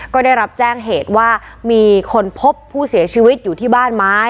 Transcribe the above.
ก็ได้รับแจ้งเหตุว่ามีคนพบผู้เสียชีวิตอยู่ที่บ้านไม้